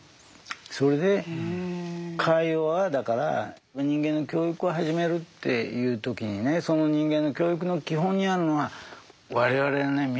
それでカイヨワはだから人間の教育を始めるっていう時にねその人間の教育の基本にあるのは我々はね